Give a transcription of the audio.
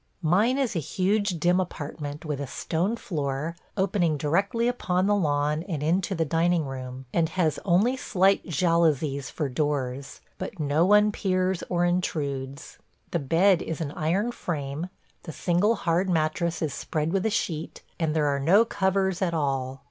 ... Mine is a huge dim apartment with a stone floor opening directly upon the lawn and into the dining room, and has only slight jalousies for doors; but no one peers or intrudes. The bed is an iron frame; the single hard mattress is spread with a sheet, and there are no covers at all.